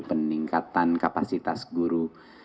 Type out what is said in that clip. peningkatan kapasitas guru